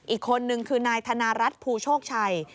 อีกคนนึงคือนายธนารัฐภูโชคชัย